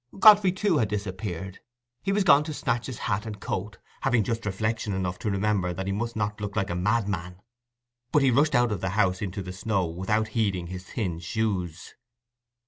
Godfrey, too, had disappeared: he was gone to snatch his hat and coat, having just reflection enough to remember that he must not look like a madman; but he rushed out of the house into the snow without heeding his thin shoes.